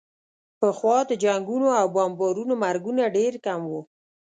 پخوا د جنګونو او بمبارونو مرګونه ډېر کم وو.